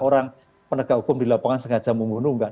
orang penegak hukum di lapangan sengaja membunuh enggak